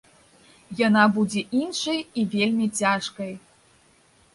Яна будзе іншай, і вельмі цяжкай.